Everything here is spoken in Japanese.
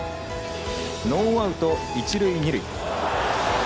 ノーアウト、一塁二塁。